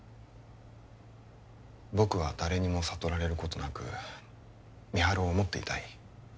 僕は誰にも悟られることなく美晴を思っていたい